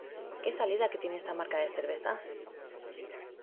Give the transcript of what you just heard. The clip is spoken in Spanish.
¿Qué salida que tiene esta marca de cervezas?